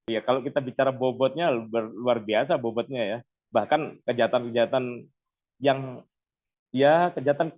ya kalau kita bicara bobotnya luar biasa bobotnya ya bahkan kejahatan kejahatan yang ya kejahatan